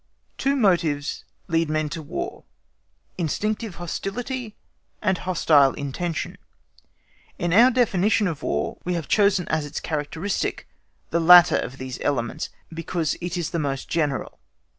Two motives lead men to War: instinctive hostility and hostile intention. In our definition of War, we have chosen as its characteristic the latter of these elements, because it is the most general.